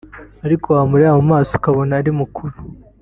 ariko wamureba mu maso ukabona ko ari mukuru